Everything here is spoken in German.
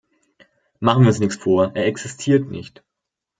Machen wir uns nichts vor, er existiert nicht!